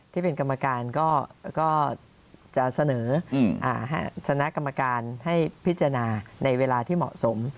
ที่เป็นกรรมการก็จะเสนอคณะกรรมการให้พิจารณาในเวลาที่เหมาะสม